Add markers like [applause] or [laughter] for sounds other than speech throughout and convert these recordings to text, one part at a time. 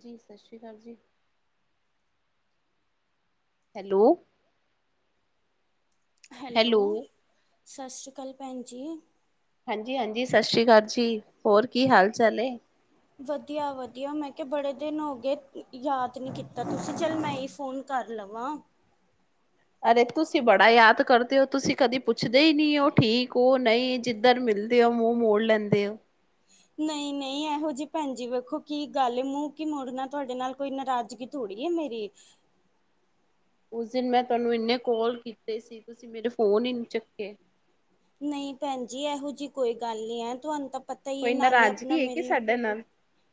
ਜੀ ਸ ਸ੍ਰੀ ਕਾਲ ਜੀ। ਹੈਲੋ ਹੈਲੋ, ਸਸ ਸ੍ਰੀ ਕਾਲ ਭੈਣ ਜੀ। ਹਾਂਜੀ-ਹਾਂਜੀ ਸਸ ਸ੍ਰੀ ਕਾਲ ਜੀ। ਹੋਰ ਕੀ ਹਾਲ ਚਾਲ ਏ? ਵਧੀਆ-ਵਧੀਆ ਮੈਂ ਕਿਹਾ ਬੜੇ ਦਿਨ ਹੋ ਗਏ ਯਾਦ ਨੀ ਕੀਤਾ ਤੁਸੀਂ ਚੱਲ ਮੈਂ ਹੀ ਫੋਨ ਕਰ ਲਵਾ। ਅਰੇ ਤੁਸੀਂ ਬੜਾ ਯਾਦ ਕਰਦੇ ਔ ਤੁਸੀਂ ਕਦੇ ਪੁੱਛਦੇ ਹੀ ਨਹੀਂ ਉਹ ਠੀਕ ਹੋ ਨਹੀਂ ਜੇ ਧਰ ਮਿਲਦੇ ਹੋ ਮੂੰਹ ਮੋੜ ਲੈਂਦੇ ਹੋ। ਨਹੀਂ-ਨਹੀਂ ਏਹੋ ਜਿ ਭੈਣ ਜੀ ਵੇਖੋ ਕੀ ਗੱਲ ਏ ਮੂੰਹ ਕੀ ਮੋੜਨਾ ਤੁਹਾਡੇ ਨਾਲ ਕੋਈ ਨਾਰਾਜ਼ਗੀ ਥੋੜੀ ਏ ਮੇਰੀ। ਉਸ ਦਿਨ ਮੈਂ ਤੁਹਾਨੂੰ ਇੰਨੇ ਕਾਲ ਕੀਤੇ ਸੀ ਤੁਸੀਂ ਮੇਰੇ ਫੋਨ ਹੀ ਨੀ ਚੱਕੇ। ਨਹੀਂ ਭੈਣ ਜੀ ਇਹੋ ਜਿਹੀ ਕੋਈ ਗੱਲ ਨੀ ਹੈ ਤੁਹਾਨੂੰ ਤਾਂ ਪ ਤਾ ਇਹ ਹੈ ਕੋਈ ਨਾਲੇ ਆਪਣਾ ਨਾਰਾਜ਼ਗੀ ਹੈ ਕਿ ਮੇਰੀ ਸਾਡੇ ਨਾਲ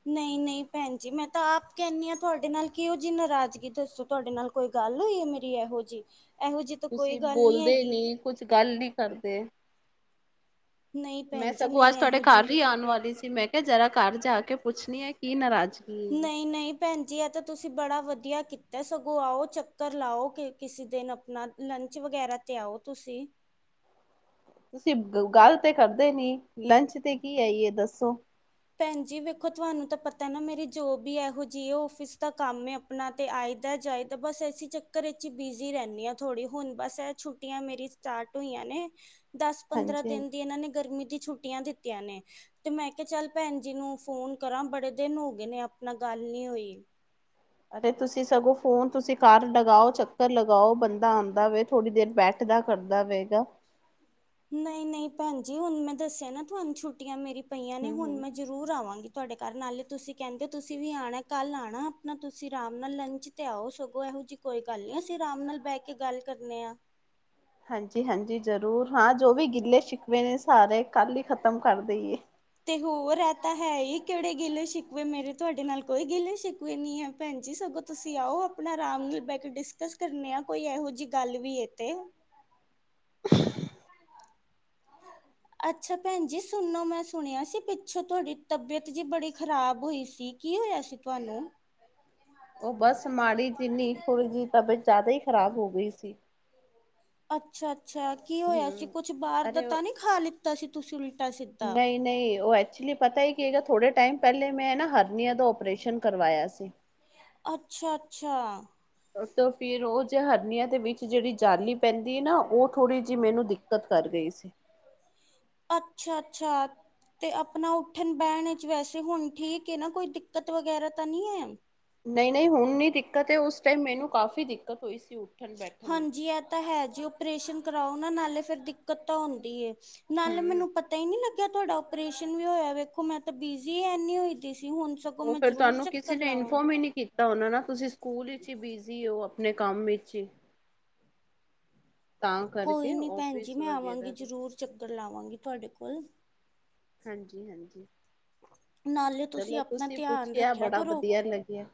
ਨਹੀਂ-ਨਹੀਂ ਭੈਣ ਜੀ ਮੈਂ ਤਾਂ ਆਪ ਕਹਿੰਦੀ ਹਾਂ ਤੁਹਾਡੇ ਨਾਲ ਕਿਹੋ ਜਿਹੀ ਨਾਰਾਜ਼ਗੀ ਦੱਸੋ। ਤੁਹਾਡੇ ਨਾਲ ਕੋਈ ਗੱਲ ਹੋਈ ਹੈ ਮੇਰੀ ਇਹੋ ਜਿਹੀ, ਇਹੋ ਜਿਹੀ ਤਾਂ ਕੋਈ ਤੁਸੀਂ ਗੱਲ ਨਹੀਂ ਬੋਲਦੇ ਹੈਗੀ। ਨੀ ਕੁਛ ਗੱਲ ਨੀ ਕਰਦੇ। ਨਹੀਂ ਮੈਂ ਭੈਣ ਜੀ ਸਗੋਂ ਅੱਜ ਨਹੀਂ ਤੁਹਾਡੇ ਇਹੋ ਘਰ ਜਿਹੀ ਹੀ ਆਉਣ ਵਾਲੀ ਸੀ ਮੈਂ ਜਰਾ ਘਰ ਜਾ ਕੇ ਪੁੱਛਣੀ ਆ ਕੀ ਨਾਰਾਜ਼ਗੀ ਏ। ਨਹੀਂ ਨਹੀਂ ਭੈਣ ਜੀ ਆ ਤਾ ਤੁਸੀ ਬੜਾ ਵਧੀਆ ਕੀਤਾ ਸਗੋਂ ਆਓ ਚੱਕਰ ਲਾਓ ਕਿ ਕਿਸੇ ਦਿਨ ਆਪਣਾ ਲੰਚ ਵਗੈਰਾ ਤੇ ਆਓ ਤੁਸੀ। ਤੁਸੀਂ ਗੱਲ ਤੇ ਕਰਦੇ ਨੀ ਲੰਚ ਤੇ ਕੀ ਆਈਏ ਦੱਸੋ? ਭੈਣ ਜੀ ਵੇਖੋ ਤੁਹਾਨੂੰ ਤਾਂ ਪਤਾ ਨਾ ਮੇਰੀ ਜੋਬ ਹੀ ਇਹੋ ਜਿਹੀ ਹੇ ਔਫਿਸ ਦਾ ਕੰਮ ਏ। ਅਪਣਾ ਤੇ ਆਈ ਦਾ ਜਾਇਦਾ ਬਸ ਏਸੀ ਚੱਕਰ ਵਿੱਚ ਹੀ ਬਿਜ਼ੀ ਰਹਿੰਦੀ ਹਾਂ ਥੋੜ੍ਹੀ, ਹੁਣ ਬਸ ਇਹ ਛੁੱਟੀਆਂ ਮੇਰੀ ਸਟਾਰਟ ਹੋਈਆਂ ਨੇ। ਦਸ-ਪੰਦਰਾਂ ਹਾਂਜੀ ਹਾਂਜੀ, ਦਿਨ ਦੀ ਇਹਨਾ ਨੇ ਗਰਮੀ ਦੀ ਛੁੱਟੀਆ ਦਿੱਤੀਆ ਨੇ ਤੇ ਮੈਂ ਕਿਹਾ ਚੱਲ ਭੈਣ ਜੀ ਨੂੰ ਫੋਨ ਕਰਾਂ ਬੜੇ ਦਿਨ ਹੋ ਗਏ ਨੇ ਆਪਣਾ ਗੱਲ ਨੀ ਹੋਈ। ਅਰੇ ਤੁਸੀਂ ਸਗੋਂ ਫੋਨ ਤੁਸੀਂ ਘਰ ਲਗਾਓ ਚੱਕਰ ਲਗਾਓ ਬੰਦਾ ਆਂਦਾ ਵੇ ਥੋੜੀ ਦੇਰ ਬੈਠ ਦਾ ਕਰਦਾ ਪਏਗਾ। ਨਹੀਂ-ਨਹੀਂ ਭੈਣਜੀ ਹੁਣ ਮੈਂ ਦੱਸਿਆ ਨਾ ਤੁਹਾਨੂੰ ਛੁੱਟੀਆਂ ਮੇਰੀ ਪਈਆਂ ਨੇ ਹਮ ਹੁਣ ਹਮ ਮੈਂ ਜ਼ਰੂਰ ਆਵਾਂਗੀ ਤੁਹਾਡੇ ਘਰ ਨਾਲੇ ਤੁਸੀਂ ਕਹਿੰਦੇ ਹੋ ਤੁਸੀਂ ਵੀ ਆਉਣਾ ਕੱਲ ਆਨਾ ਅਪਣਾ ਤੁਸੀਂ ਆਰਾਮ ਨਾਲ ਲੰਚ ਤੇ ਆਓ ਸਗੋਂ ਇਹੋ ਜਿਹੀ ਕੋਈ ਗੱਲ ਨੀ, ਅਸੀਂ ਆਰਾਮ ਨਾਲ ਬੈ ਕੇ ਗੱਲ ਕਰਨੇ ਆ। ਹਾਂਜੀ-ਹਾਂਜੀ ਜ਼ਰੂਰ ਹਾਂ ਜੋ ਵੀ ਗਿੱਲੇ ਛਿਕਵੇ ਨੇ ਸਾਰੇ ਕੱਲ੍ਹ ਹੀ ਖ਼ਤਮ ਕਰ ਦਈਏ। ਤੇ ਹੋਰ ਏਹਿ ਤਾਂ ਹੈ ਇਹ ਕਿਹੜੇ ਗਿੱਲੇ ਸ਼ਿਕਵੇ ਮੇਰੇ ਤੁਹਾਡੇ ਨਾਲ ਕੋਈ ਗਿੱਲੇ ਸ਼ਿਕਵੇ ਨੀ ਹੈ। ਭੈਣ ਜੀ ਸਗੋਂ ਤੁਸੀਂ ਆਓ ਆਪਣਾ ਆਰਾਮ ਨਾਲ ਬੈ ਕੇ ਡਿਸਕਸ ਕਰਨੇ ਆ ਕੋਈ ਇਹੋ ਜਿਹੀ ਗੱਲ ਵੀ ਤੇ। ਅੱਛਾ ਭੈਣ ਜੀ ਸੁਣੋ ਮੈਂ ਸੁਣਿਆ ਸੀ ਪਿੱਛੋਂ ਤੁਹਾਡੀ ਤਬੀਅਤ ਜੀ ਬੜੀ ਖ਼ਰਾਬ ਹੋਈ ਸੀ। ਕੀ ਹੋਇਆ ਸੀ ਤੁਹਾਨੂੰ। ਉਹ ਬਸ ਮਾੜੀ ਜਿੰਨੀ ਥੋੜੀ ਜਿਹੀ ਤਬੀਅਤ ਜ਼ਿਆਦਾ ਹੀ ਖ਼ਰਾਬ ਹੋ ਗਈ ਸੀ। ਅੱਛਾ-ਅੱਛਾ ਕੀ ਹੋਇਆ ਸੀ ਹਮ ਕੁਛ ਬਾਰ ਦਾ ਅਰੇ ਤਾਂ ਨਹੀ ਖਾ ਲਿੱਤਾ ਸੀ ਤੁਸੀਂ ਉਲਟਾ ਸਿੱਧਾ। ਨਹੀਂ ਨਹੀਂ ਉਹ ਐਕਚੁਲੀ ਪਤਾ ਹੀ ਕੀਗਾ ਥੋੜੇ ਟਾਈਮ ਪਹਿਲੇ ਮੈਂ ਨਾ ਹਥਨੀਆ ਦਾ ਓਪਰੇਸ਼ਨ ਕਰਵਾਇਆ ਸੀ। ਅੱਛਾ-ਅੱਛਾ ਤੋਂ ਫੇਰ ਉਹ ਜੋ ਹਰਨੀਆਂ ਦੇ ਵਿੱਚ ਜਿਹੜੀ ਜਾਲੀ ਪੈਂਦੀ ਨਾ ਉਹ ਥੋੜ੍ਹੀ ਜਿਹੀ ਮੈਨੂੰ ਦਿੱਕਤ ਕਰ ਰਹੀ ਸੀ। ਅੱਛਾ-ਅੱਛਾ ਤੇ ਆਪਣਾ ਉੱਠਣ ਬਹਿਣ ਵਿੱਚ ਵੈਸੇ ਹੁਣ ਠੀਕ ਹੈ ਨਾ ਕੋਈ ਦਿੱਕਤ ਵਗੈਰਾ ਤਾ ਨੀ ਹੈ। ਨਹੀਂ-ਨਹੀਂ ਹੁਣ ਨੀ ਦਿੱਕਤ ਉਸ ਟਾਈਮ ਮੈਨੂੰ ਕਾਫ਼ੀ ਦਿੱਕਤ ਹੋਈ ਸੀ ਉੱ ਹਾਂਜੀ ਇਹ ਤਾਂ ਹੈ ਜੀ ਓਪਰੇਸ਼ਨ ਕਰਾਓ ਨਾ ਨਾਲੇ ਫਿਰ ਦਿੱਕਤ ਤਾਂ ਹੁੰਦੀ ਹੈ। ਨਾਲੇ ਹੂੰ ਮੈਨੂੰ ਪਤਾ ਤਾ ਹੀ ਨੀ ਲੱਗਿਆ ਤੁਹਾਡਾ ਓਪਰੇਸ਼ਨ ਵੀ ਹੋਇਆ ਵੇਖੋ ਮੈਂ ਤਾਂ ਬਿਜ਼ੀ ਐਨੀ ਹੋਈਦੀ ਸੀ ਹੁਣ ਸ ਉਹ ਫੇਰ ਤੁਹਾਨੂੰ ਕਿਸੇ ਨੇ ਇਨਫੋਰਮ ਹੀ ਨੀ ਕੀ ਤਾ ਹੋਣਾ ਨਾ ਤੁਸੀ ਸਕੂਲ ਵਿੱਚ ਹੀ ਬਿਜ਼ੀ ਹੋ ਆਪਣੇ ਕੰਮ ਵਿੱਚ ਹੀ। ਤਾਂ ਕਰਕੇ ਕੋਈ ਨਹੀਂ ਭੈਣ ਜੀ ਆਫਿਸ ਮੈਂ ਵਗੈਰਾ ਆਵਾਂਗੀ ਦੇ ਜ਼ਰੂਰ ਚੱਕਰ ਲਾਵਾਂਗੀ ਤੁਹਾਡੇ ਕੋਲ। ਹਾਂਜੀ-ਹਾਂਜੀ ਨਾਲੇ ਤੁਸੀਂ ਆਪਣਾ ਧਿਆਨ ਪੁੱਛਿਆ ਰੱਖਿਆ ਬੜਾ ਕਰੋ ਵਧੀਆ ਲੱਗਿਆ।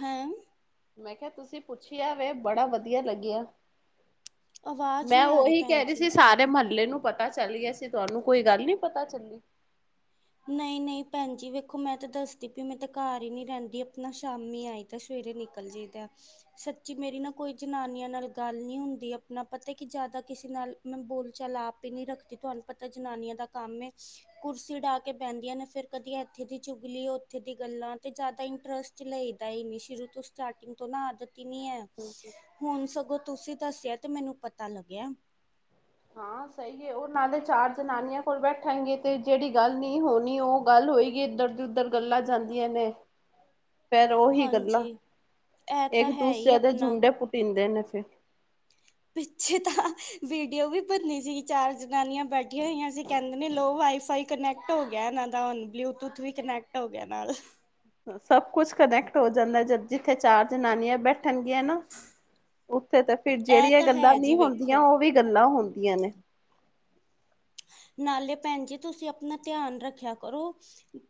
ਹੈਂ ਮੈਂ ਕਿਹਾ ਤੁਸੀਂ ਪੁੱਛਿਆ ਵੇ ਬੜਾ ਵਧੀਆ ਲੱਗਿਆ। ਆਵਾਜ਼ ਮੈਂ ਨਹੀਂ ਆ ਉਹੀ ਭੈਣ ਕਹਿ ਰਹੀ ਜੀ ਸੀ ਸਾ ਰੇ ਮਹੱਲੇ ਨੂੰ ਪਤਾ ਚੱਲ ਗਿਆ ਸੀ ਤੁਹਾਨੂੰ ਕੋਈ ਗੱਲ ਨੀ ਪਤਾ ਚੱਲੀ। ਨਹੀਂ-ਨਹੀਂ ਭੈਣ ਜੀ ਵੇਖੋ ਮੈਂ ਤਾਂ ਦੱਸਦੀ ਪਈ ਮੈਂ ਤੇ ਘਰ ਹੀ ਨੀ ਰਹਿੰਦੀ ਆਪਣਾ ਸ਼ਾਮੀ ਆਈ ਤੇ ਸਵੇਰੇ ਨਿਕਲ ਜਾਈ ਦਾ। ਸੱਚੀ ਮੇਰੀ ਨਾ ਕੋਈ ਜਨਾਨੀਆਂ ਨਾਲ ਗੱਲ ਨੀ ਹੁੰਦੀ ਆਪਣਾ ਪਤਾ ਕਿ ਜਾਦਾ ਕਿਸੇ ਨਾਲ ਮੈਂ ਬੋਲ ਚਾਲ ਆਪ ਹੀ ਨੀ ਰੱਖਦੀ ਤੁਹਾਨੂੰ ਪਤਾ ਜਨਾਨੀਆਂ ਦਾ ਕੰਮ ਕੁਰਸੀ ਡਾ ਕੇ ਬਹਿੰਦੀਆਂ ਨੇ ਫੇਰ ਕਦੀ ਇੱਥੇ ਦੀ ਚੁਗਲੀ ਉੱਥੇ ਦੀ ਗੱਲਾਂ ਤੇ ਜਾਦਾ ਇੰਟਰਸਟ ਲਈਦਾ ਹੀ ਨੀ ਸ਼ੁਰੂ ਤੋ ਸ ਸਟਾਰਟਿੰਗ ਤੋਂ ਨਾ ਆਦਤ ਹੀ ਨੀ ਹੈ ਹੁਣ ਸਗੋਂ ਤੁਸੀਂ ਦੱਸਿਆ ਤੇ ਮੈਨੂੰ ਪਤਾ ਲੱਗਿਆ। ਹਾਂ ਸਹੀ ਹੈ ਉਹ ਨਾਲੇ ਚਾਰ ਜਨਾਨੀਆਂ ਕੋਲ ਬੈਠਣਗੇ ਤੇ ਜਿਹੜੀ ਗੱਲ ਨਹੀਂ ਹੋਣੀ ਉਹ ਗੱਲ ਹੋਏਗੀ ਏਦਰ ਦੀ ਉਦਰ ਗੱਲਾਂ ਜਾਂਦੀਆਂ ਨੇ [inaudible] ਫੇਰ ਓਹੀ ਗੱਲਾਂ, ਹਾਂਜੀ ਇਹ ਤਾਂ ਏਕ ਹੈ ਹੀ ਦੂਸਰੇਆਂ ਦੇ ਆਪਣਾ ਜੁੰਡੇ ਪੁਟੀਂਦੇ ਨੇ ਫੇਰ [inaudible] ਪਿੱਛੇ ਤਾਂ, ਵੀਡੀਓ ਵੀ ਬੱਨੀ ਸੀਗੀ ਚਾਰ ਜਨਾਨੀਆਂ ਬੈਠੀਆਂ ਹੋਈਆਂ ਸੀ ਕੈਂਦੇ ਨੇ ਲੋ ਵਾਈਫਾਈ ਕਨੈਕਟ ਹੋ ਗੇਆ ਐਨਾਂ ਦਾ, ਹੁਨ ਬਲੂਯੂਤੁਥ ਵੀ ਕਨੈਕਟ ਹੋ ਗੇਆ ਨਾਲ। ਅ ਸਬ ਕੁਛ ਕਨੈਕਟ ਹੋ ਜਾਂਦੈ ਜ, ਜਿੱਥੇ ਚਾਰ ਜਨਾਨੀਆਂ ਬੈਠਨਗੀਆਂ ਨਾ ਓਥੇ ਤੇ ਫੇਰ ਇਹ ਜੇੜੀਆਂ ਤਾਂ ਗੱਲਾਂ ਹੈ ਨੀ ਜੀ ਹੋਂਦੀਆਂ, ਵੇਖੋ ਓ ਵੀ ਗੱਲਾਂ ਹੋਦੀਆਂ ਨੇ। ਨਾਲੇ ਭੈਨ ਜੀ ਤੁਸੀਂ ਅਪਨਾ ਧੇਆਨ ਰੱਖੇਆ ਕਰੋ।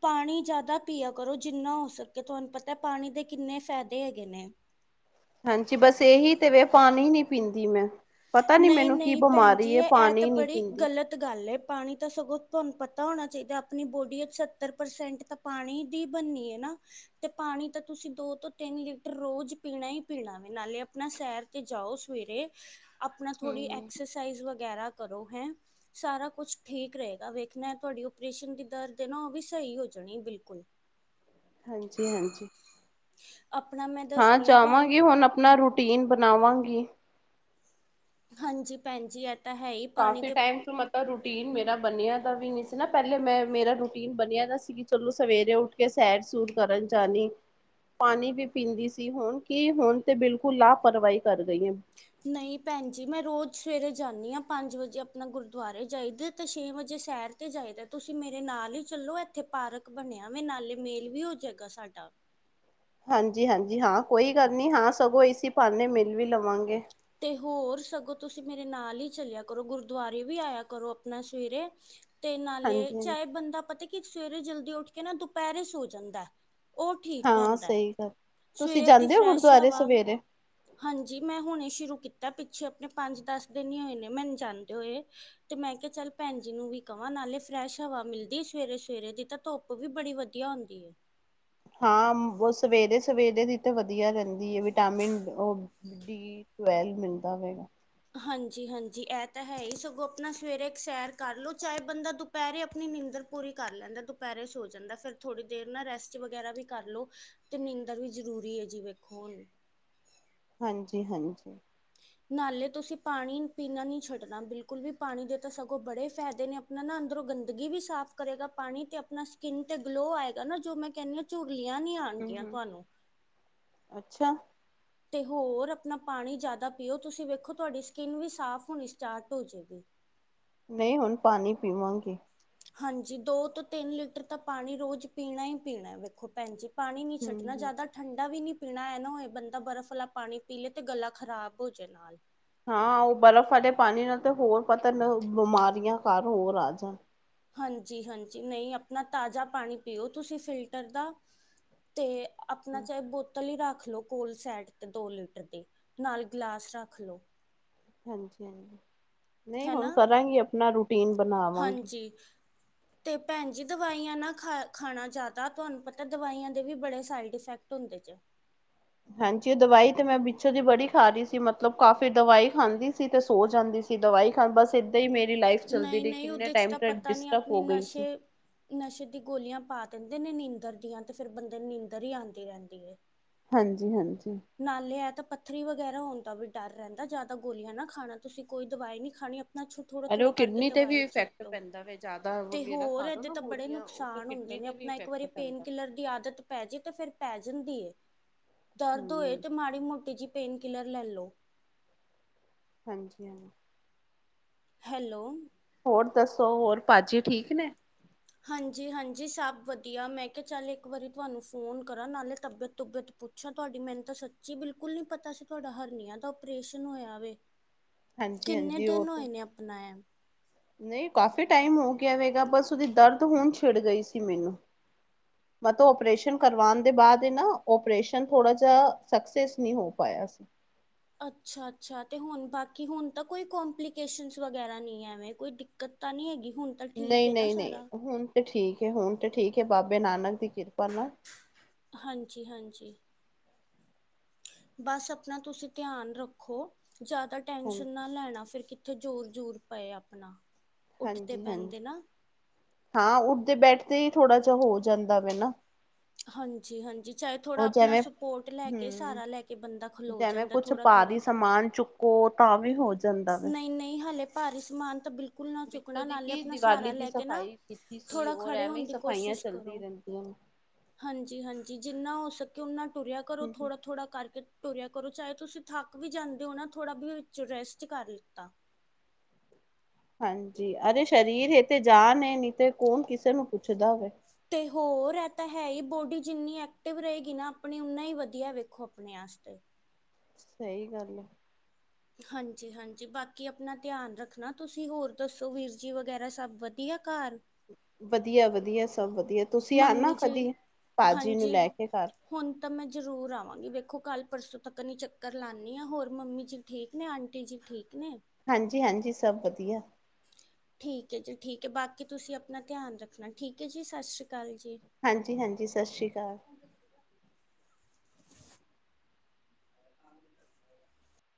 ਪਾਣੀ ਜਾਦਾ ਪੀਆ ਕਰੋ ਜਿੰਨਾ ਹੋ ਸਕੇ, ਤੁਹਾਨ ਪਤੈ ਪਾਣੀ ਦੇ ਕਿੰਨੇ ਫੈਦੇ ਹੈਗੇ ਨੇ। ਹਾਂਜੀ, ਬਸ ਏਹੀ ਤੇ ਵੇ ਪਾਨੀ ਨੀ ਪੀਂਦੀ ਮੈਂ। ਪਤਾ ਨੀ ਨਹੀਂ ਮੈਨੂੰ ਕੀ ਨਹੀਂ ਭੈਣ ਜੀ ਬਮਾਰੀ ਏ, ਇਹ ਇਹ ਤਾਂ ਪਾਨੀ ਨੀ ਬੜੀ ਪੀਂਦੀ। ਗਲਤ ਗਾੱਲ ਏ, ਪਾਣੀ ਤਾਂ ਸਗੋਂ ਤੁਆਨ ਪਤਾ ਹੋਣਾ ਚਈਦਾ ਆਪਣੀ ਬੋੜੀ ਚ ਸੱਤਰ ਪਰਸੈਂਟ ਤਾਂ ਪਾਣੀ ਦੀ ਬੱਨੀ ਏ ਨਾ। ਤੇ ਪਾਣੀ ਤਾਂ ਤੁਸੀਂ ਦੋ-ਤੋਂ ਤੇਨ ਲੀਟਰ ਰੋਜ ਪੀਣਾ ਈ ਪੀਣਾ ਵੇ, ਨਾਲੇ ਅਪਣਾ ਸੈਰ ਤੇ ਜਾਓ ਸਵੇਰੇ। ਆਪਣਾ ਥੋੜੀ ਹਮ ਐਕਸਰਸਾਈਜ਼ ਵਗੈਰਾ ਕਰੋ ਹੈਂ। ਸਾਰਾ ਕੁਛ ਠੀਕ ਰਏਗਾ, ਵੇਖਨਾ ਤੁਆਡੀ ਓਪਰੇਸ਼ਨ ਦੀ ਦਰਦ ਏ ਨਾ ਓ ਵੀ ਸਈ ਹੋ ਜਾਣੀ ਏ ਬਿਲਕੁਲ। ਹਾਂਜੀ-ਹਾਂਜੀ। ਆਪਣਾ ਮੈਂ ਹਾਂ, ਦੱਸਦੀ ਤੁਹਾਨੂੰ ਜਾਵਾਂਗੀ ਹੋਨ ਅਪਨਾ ਰੂਟੀਨ ਬਨਾਵਾਂਗੀ। ਹਾਂਜੀ ਭੈਨ ਜੀ, ਐ ਕਾਫੀ ਟਾਈਮ ਤੋਂ ਮਤ ਲਬ ਰੂਟੀਨ ਮੇਰਾ ਬਨੇਆ ਦਾ ਵੀ ਨੀ ਸੀ ਨਾ, ਪੈਲੇ ਮੈਂ ਮੇਰਾ ਰੂਟੀਨ ਬਨੇਆ ਦਾ ਸੀ ਕਿ ਚਲੋ ਸਵੇਰੇ ਉੱਠ ਕੇ ਸੈਰ-ਸੂਰ ਕਰਨ ਜਾਨੀ। ਪਾਨੀ ਵੀ ਪੀਂਦੀ ਸੀ, ਹੋਨ ਕੀ ਹੋਨ ਤੇ ਬਿਲਕੁਲ ਲਾਪਰਵਾਈ ਕਾਰ ਗਈ ਆਂ। ਨਈ ਭੈਨ ਜੀ, ਮੈਂ ਰੋਜ ਸਵੇਰੇ ਜਾਂਨੀ ਆਂ ਪਾੰਜ ਵਜੇ ਅਪਨਾ ਗੁਰਦੁਆਰੇ ਜਾਈਦੇ ਤੇ ਸੇ਼ਂ ਵਜੇ ਸੈਰ ਤੇ ਜਾਈਦੈ ਤੁਸੀਂ ਮੇਰੇ ਨਾਲ ਈ ਚੱਲੋ, ਐਥੇ ਪਾਰਕ ਬਨੇਆ ਵੇ ਨਾਲੇ ਮੇਲ ਵੀ ਹੋ ਜੇਗਾ ਸਾਡਾ। ਹਾਂਜੀ-ਹਾਂਜੀ ਹਾਂ, ਕੋਈ ਗੱਲ ਨਈ ਹਾਂ ਸਗੋਂ ਇਸੀ ਭਾਨੇ ਮਿਲ ਵੀ ਲਵਾਂਗੇ ਤੇ ਹੋਰ, ਸਗੋਂ ਤੁਸੀਂ ਮੇਰੇ ਨਾਲ ਈ ਚੱਲੇਆ ਕਰੋ ਗੁਰਦੁਆਰੇ ਵੀ ਆਏਆ ਕਰੋ ਅਪਨਾ ਸਵੇਰੇ। ਤੇ ਨਾਲੇ, ਹਾਂਜੀ ਹਾਂਜੀ ਚਾਏ ਬੰਦਾ ਪਤਾ ਕਿ ਸਵੇਰੇ ਜਲਦੀ ਉੱਠ ਕੇ ਨਾ ਦੁਪੈਰੇ ਸੋ ਜਾਂਦੈ। ਓ ਠੀਕ ਹਾਂ ਰੈਂਦੈ, ਸਹੀ ਗੱਲ ਤੁਸੀਂ ਸਵੇਰ ਦੀ ਜਾਂਦੇ ਹੋ ਫ੍ਰੈਸ਼ ਗੁਰਦੁਆਰੇ ਹਵਾ ਸਵੇਰੇ ਹਾਂਜੀ, ਮੈਂ ਹੁਨੇ ਸ਼ੁਰੂ ਕੀਤੈ ਪਿੱਛੇ ਆਪਨੇ ਪਾੰਜ-ਦਾਸ ਦਿਨ ਈ ਹੋਏ ਨੇ ਮੈਨ ਜਾਂਦੇ ਹੋਏ। ਤੇ ਮੈਂ ਕੇਆ ਚੱਲ ਭੈਨ ਜੀ ਨੂੰ ਵੀ ਕਵਾਂ, ਨਾਲੇ ਫ੍ਰੈਸ਼ ਹਵਾ ਮਿਲਦੀ ਏ ਸਵੇਰੇ-ਸਵੇਰੇ ਦੀ ਤਾਂ ਧੋੱਪ ਵੀ ਬੜੀ ਵਦੀਆ ਹੋਂਦੀ ਏ। ਹਾਂ, ਮ ਵੋ ਸਵੇਰੇ-ਸਵੇਰੇ ਦੀ ਤਾਂ ਵਦੀਆ ਰੈਂਦੀ ਏ ਵਿਟਾਮਿਨ ਓ ਡੀ ਟਵੈਲ ਮਿਲਦਾ ਹੋਏਗਾ। ਹਾਂਜੀ-ਹਾਂਜੀ, ਐ ਤਾਂ ਹੈ ਈ ਸਗੋਂ ਅਪਨਾ ਸਵੇਰੇ ਇੱਕ ਸੈਰ ਕਾਰ ਲੋ ਚਾਏ ਬੰਦਾ ਦੁੱਪ ਪੈਰੇ ਦੁਪੈਰੇ ਅਪਨੀ ਨੀਂਦਰ ਪੂਰੀ ਕਾਰ ਲੈਂਦੈ, ਦੁਪੈਰੇ ਸੋ ਜਾਂਦੈ ਫੇਰ ਥੋੜੀ ਦੇਰ ਨਾ ਰੈਸਟ ਵਗੈਰਾ ਵੀ ਕਾਰ ਲੋ। ਤੇ ਨੀਂਦਰ ਵੀ ਜਰੂਰੀ ਐ ਜੀ ਵੇਖੋ ਹੋਨ। ਹਾਂਜੀ-ਹਾਂਜੀ। ਨਾਲੇ ਤੁਸੀ ਪਾਣੀ ਪੀਨ ਨੀ ਛੱਡਨਾ ਬਿਲਕੁਲ ਵੀ, ਪਾਣੀ ਦੇ ਤਾਂ ਸਗੋਂ ਬੜੇ ਫੈਦੇ ਨੇ ਨਾ-ਨਾ, ਅੰਦਰੋਂ ਗੰਦਗੀ ਵੀ ਸਾਫ ਕਰੇਗਾ ਪਾਣੀ ਤੇ ਅਪਨਾ ਸਿਕੀਨ ਤੇ ਗਲੋ ਆਏਗਾ ਨਾ ਜੋ ਮੈਂ ਕੈਨੀ ਆਂ ਝੁਰਲੀਆਂ ਨੀ ਆ ਹੂੰ, ਹੂੰ ਅੱਛਾ। ਤੇ ਹੋਰ, ਅਪਣਾ ਪਾਣੀ ਜਾਦਾ ਪੀਓ ਤੁਸੀਂ ਵੇਖੋ ਤੁਆਡੀ ਸਿਕਿਨ ਵੀ ਸਾਫ ਹੋਣੀ ਸਟਾਟ ਹੋ ਜੇਗੀ। ਨਈ ਹੋਨ ਪਾਨੀ ਪੀਵਾਂਗੀ। ਹਾਂਜੀ, ਦੋ ਤੋਂ ਤਿੰਨ ਲੀਟਰ ਤਾਂ ਪਾਣੀ ਰੋਜ ਪੀਣਾ ਈ ਪੀਣੈ ਵੇਖੋ ਭੈਨ ਜੀ। ਪਾਣੀ ਨੀ ਹਮ ਛੱਡਣਾ ਹਮ ਜਾਦਾ ਪਾ ਠੰਡਾ ਵੀ ਨੀ ਪੀਣਾ, ਐ ਨਾ ਹੋਏ ਬੰਦਾ ਬਰਫ਼ ਵਾਲਾ ਪਾਣੀ ਪੀ ਲੇ ਤੇ ਗਲਾ ਖ਼ਰਾਬ ਹੋ ਜੇ ਨਾਲ। ਹਾਂ, ਓ ਬਰਫ ਵਾਲੇ ਪਾਨੀ ਨਾਲ ਤਾਂ ਹੋਰ ਪਤਾ ਮ ਬਮਾਰੀਆਂ ਘਾਰ ਹੋਰ ਆ ਜਾਨ ਹਾਂਜੀ-ਹਾਂਜੀ, ਨਈ ਅਆਪਨਾ ਤਾਜਾ ਪਾਣੀ ਪੀਓ ਤੁਸੀਂ ਫਿਲਟਰ ਦਾ ਤੇ ਆਪਣਾ ਚਾਹੇ ਬ ਤਲ ਹੀ ਰੱਖ ਲੋ ਕੋਲ ਸੈਟ ਤੇ ਦੋ ਲੀਟਰ ਦੇ ਨਾਲ ਗਲਾਸ ਰੱਖ ਲੋ। ਹਾਂਜੀ ਨਹੀਂ ਹੈਨਾ ਹੁਣ ਕਰਾਂਗੀ ਆਪਣਾ ਰੂਟੀਨ ਬਣਾ ਹਾਂਜੀ ਤੇ ਭੈਣ ਜੀ ਦਵਾਈਆਂ ਨਾ ਖਾ ਖਾਣਾ ਜਾਦਾ ਤੁਹਾਨੂੰ ਪਤਾ ਦਵਾਈਆਂ ਦੇ ਵੀ ਬੜੇ ਸਾਈਡ ਇਫੈਕਟ ਹੁੰਦੇ ਜੇ। ਹਾਂਜੀ ਦਵਾਈ ਤੇ ਮੈਂ ਪਿੱਛੋਂ ਦੀ ਬੜੀ ਖਾ ਰਹੀ ਸੀ ਮਤਲਬ ਕਾਫ਼ੀ ਦਵਾਈ ਖਾਂਦੀ ਸੀ ਤੇ ਸੋ ਜਾਂਦੀ ਸੀ। ਦਵਾਈ ਖਾਂ ਬਸ ਇੱਦਾਂ ਹੀ ਮੇਰੀ ਲਾਈਫ ਚੱਲਦੀ ਰਹੀ ਨਹੀਂ-ਨਹੀਂ ਕਿੰਨੇ ਉਹਦੇ ਚ ਟਾਈਮ ਤਾਂ ਤ ਪਤਾ ਨਹੀ ਡਿਸਟਰਬ ਆਪਣੇ ਹੋ ਗਈ ਸੀ ਨਸ਼ੇ ਨਸ਼ੇ ਦੀ ਗੋਲੀਆਂ ਪਾ ਦਿੰਦੇ ਨੇ ਨੀਂਦਰ ਦੀਆਂ ਤੇ ਫੇਰ ਬੰਦੇ ਨੀਦਰ ਹੀ ਆਂਦੀ ਰਹਿੰਦੀ ਐ। ਹਾਂਜੀ-ਹਾਂਜੀ ਨਾਲੇ ਆ ਤਾਂ ਪੱਥਰੀ ਵਗੈਰਾ ਹੋਣ ਦਾ ਵੀ ਡਰ ਰਹਿੰਦਾ ਜਾਦਾ ਗੋਲੀਆਂ ਨਾ ਖਾਣਾ ਤੁਸੀਂ ਕੋਈ ਦਵਾਈ ਨਹੀਂ ਖਾਣੀਂ ਆਪਣਾ ਅਰੇ ਥੋੜ੍ਹਾ-ਥੋੜਾ ਉਹ ਕਰਕੇ ਕਿਡਨੀ ਤੇ ਵੀ ਦਵਾਈ ਇਫੈਕਟ ਛੱਡੋ ਪੈਂਦਾ ਵ ਜ਼ਿਆਦਾ ਤੇ ਵਗੈਰਾ ਹੋਰ ਖਾ ਲੋ ਏਦੇ ਨਾ ਤਾਂ ਬੜੇ ਗੋਲੀਆਂ ਉਹ ਤੇ ਨੁਕਸਾਨ ਹੁੰਦੇ ਕਿਡਨੀ ਨੇ ਤੇ ਵੀ ਆਪਣਾ ਇੱਕ ਵਾਰੀ ਇਫੈਕਟ ਪੇਨ ਪੈਂਦਾ ਕਿਲਰ ਦੀ ਆਦਤ ਪੈ ਜਾੇ ਤੇ ਫਿਰ ਪੈ ਜਾਂਦੀ ਹੈ। ਧੋਏ ਹਮ ਤੇ ਮਾੜੀ ਮੋਟੀ ਜਿਹੀ ਪੇਨ ਕਿਲਰ ਲੈ ਲੋ। ਹਾਂਜੀ-ਹਾਂਜੀ ਹੈਲੋ ਹੋਰ ਦੱਸੋ ਹੋਰ ਭਾਜੀ ਠੀਕ ਨੇ। ਹਾਂਜੀ-ਹਾਂਜੀ ਸਭ ਵਧੀਆ ਮੈਂ ਕਿਹਾ ਚੱਲ ਇੱਕ ਵਾਰੀ ਤੁਹਾਨੂੰ ਫ਼ੋਨ ਕਰਾਂ ਨਾਲੇ ਤਬੀਅਤ ਤਬਅਤ ਪੁੱ ਛਾ ਤੁਹਾਡੀ ਮਿਹਨਤ ਸੱਚੀ ਬਿਲਕੁਲ ਨੀ ਪਤਾ ਸੀ ਤੁਹਾਡਾ ਹਰਨੀਆਂ ਦਾ ਓਪਰੇਸ਼ਨ ਹੋਇਆ ਵੇ। ਹਾਂਜੀ ਕਿੰਨੇ ਹਾਂਜੀ ਉਹ ਦਿਨ ਤੇ ਹੋਏ ਨੇ ਆਪਣਾ ਐ? ਨਹੀਂ ਕਾਫੀ ਟਾਈਮ ਹੋ ਗਿਆ ਗਾ ਵੇ ਇਦਾ ਬਸ ਉਹਦੀ ਦਰਦ ਹੁਣ ਛਿੜ ਗਈ ਸੀ ਮੈਨੂੰ। [inaudible] ਮੈਂ ਤਾਂ ਓਪਰੇਸ਼ਨ ਕਰਵਾਉਣ ਦੇ ਬਾਅਦ ਨਾ ਓਪਰੇਸ਼ਨ ਥੋੜ੍ਹਾ ਜਿਹਾ ਸਕਸੈੱਸ ਨੀ ਹੋ ਪਾਇਆ ਸੀ। ਅੱਛਾ-ਅੱਛਾ ਤੇ ਹੁਣ ਬਾਕੀ ਹੁਣ ਤਾਂ ਕੋਈ ਕਪਲੀਕੇਸ਼ਨ ਵਗੈਰਾ ਨੀ ਐਵੇਂ ਕੋਈ ਦਿੱਕਤ ਤਾਂ ਨੀ ਹੈਗੀ ਹੁਣ। ਤਾਂ ਠੀਕ ਹੈ ਨਾ ਨਹੀਂ-ਨਹੀਂ, ਸਾਰਾ ਨਹੀਂ ਹੁਣ ਤੇ ਠੀਕ ਹੈ, ਹੁਣ ਤੇ ਠੀਕ ਹੈ ਬਾਬੇ ਨਾਨਕ ਦੀ ਕਿਰਪਾ ਨਾਲ। ਹਾਂਜੀ-ਹਾਂਜੀ ਬੱਸ ਆਪਣਾ ਤੁਸੀਂ ਧਿਆਨ ਰੱਖੋ ਜਾਦਾ ਹਾਂ ਟੈਸ਼ਨ ਨਾ ਲੈਣਾ ਫੇਰ ਕਿ ਜ਼ੋਰ-ਜ਼ੂਰ ਪਏ ਆਪਨਾ। ਹਾਂਜੀ-ਹਾਂਜੀ, ਹਾਂ ਉੱਠਦੇ ਬੈਠਦੇ ਹੀ ਥੋੜ੍ਹਾ ਜਿਹਾ ਹੋ ਜਾਂਦਾ ਵੇ ਨਾ। ਹਾਂਜੀ-ਹਾਂਜੀ ਚਾਹੇ ਥੋੜ੍ਹਾ ਉਹ ਆਪਣਾ ਜਿਵੇਂ ਸਪੋਰਟ ਲੈ ਕੇ ਹਮ ਸਾਰਾ ਲੈ ਕੇ ਬੰਦਾ ਖਲੋ ਜਿਵੇਂ ਜਾਂਦਾ ਕੁਛ ਥੋੜ੍ਹਾ ਭਾਰੀ ਸਮਾਨ ਚੁੱਕ ਓ ਤਾਂ ਵੀ ਹੋ ਜਾਂਦਾ ਵੇ। ਨਹੀਂ-ਨਹੀਂ, ਹੱਲੇ ਭਾਰੀ ਸਮਾਨ ਤਾਂ ਬਿਲ ਕੁਲ ਨਾ ਵਿੱਚੋਂ ਚੁੱਕਣਾ ਦੀ ਨਾਲੇ ਕੀ ਆਪਣਾ ਸਹਾਰਾ ਦੀਵਾਲੀ ਦੀ ਲੈ ਕੇ ਨਾ ਸਫ਼ਾਈ ਕੀਤੀ ਸੀ ਥੋੜ੍ਹਾ ਔਰ ਖੜੇ ਐਵੇਂ ਹੋਣ ਹੀ ਦੀ ਸਫ਼ਾਈਆਂ ਕੋਸ਼ਿਸ਼ ਚੱਲਦੀ ਕਰੋ। ਰਹਿੰਦੀਆਂ ਨੇ। ਹਾਂਜੀ-ਹਾਂਜੀ ਜਿੰਨਾ ਹੋ ਸਕੇ ਓਨਾ ਟੁਰਿਆ ਕਰੋ ਹੂੰ-ਹੂੰ। ਥੋੜਾ-ਥੋੜਾ ਕਰਕੇ ਤੁਰਿਆ ਕਰੋ ਚਾਹੇ ਤੁਸੀਂ ਥੱਕ ਵੀ ਜਾਂਦੇ ਹੋ ਨਾ ਥੋੜ੍ਹਾ ਵੀ ਵਿੱਚ ਰੈਸਟ ਕਰ ਲਿੱਤਾ। ਹਾਂਜੀ ਅਰੇ ਸਰੀਰ ਇਹ ਤੇ ਜਾਾਨ ਨੀ ਤੇ ਕੌਣ ਕਿਸੇ ਨੂੰ ਪੁੱਛਦਾ ਵੇ। ਤੇ ਹੋਰ ਇਹ ਤਾਂ ਹੈ ਹੀ ਬੋਡੀ ਜਿੰਨੀ ਐਕਟਿਵ ਰਹੇਗੀ ਨਾ ਆਪਣੀ ਓਨਾ ਹੀ ਵਧੀਆ ਵੇਖੋ ਆਪਣੀ। ਆਪਣੇ ਆਸਤੇ। ਸਹੀ ਗੱਲ ਏ। ਹਾਂਜੀ-ਹਾਂਜੀ ਬਾਕੀ ਆਪਣਾ ਧਿਆਨ ਰੱਖਣਾ ਤੁਸੀਂ ਹੋਰ ਦੱਸੋ ਵੀਰ ਜੀ ਵਗੈਰਾ ਸਭ ਵਧੀਆ ਘਰ। ਵਧੀਆ-ਵਧੀਆ ਸਭ ਵਧੀਆ ਤੁਸੀਂ ਆਨਾ ਮੰਮੀ ਜੀ ਕਦੀ ਭਾਜੀ ਨੂੰ ਹਾਂਜੀ ਲੈ ਕੇ ਘਰ। ਹੁਣ ਤਾਂ ਮੈਂ ਜ਼ਰੂਰ ਆਵਾਂਗੀ ਵੇਖੋ ਕੱਲ ਪਰਸੋਂ ਤੱਕ ਨਹੀ ਚੱਕਰ ਲਾਉਦੀ ਹਾਂ ਹੋਰ ਮੰਮੀ ਜੀ ਠੀਕ ਨੇ ਆਂਟੀ ਜੀ ਠੀਕ ਨੇ। ਹਾਂਜੀ-ਹਾਂਜੀ ਸਭ ਵਧੀਆ। ਠੀਕ ਹੈ ਜੀ, ਠੀਕ ਹੈ ਬਾਕੀ ਤੁਸੀਂ ਆਪਣਾ ਧਿਆਨ ਰੱਖਣਾ ਠੀਕ ਹੈ ਜੀ ਸਸ ਸ੍ਰੀ ਕਾਲ ਜੀ। ਹਾਂਜੀ-ਹਾਂਜੀ ਸਸ ਸ੍ਰੀ ਕਾਲ। ਹ [unintelligible]